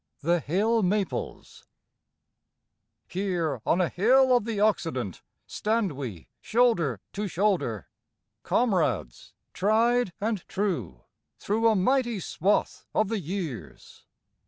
65 THE HILL MAPLES Here on a hill of the Occident stand we shoulder to shoulder, Comrades tried and true through a mighty swath of the years!